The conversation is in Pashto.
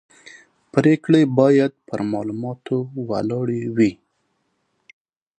پرېکړې باید پر معلوماتو ولاړې وي